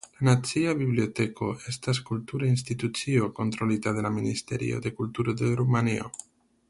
La Nacia Biblioteko estas kultura institucio kontrolita de la Ministerio de Kulturo de Rumanio.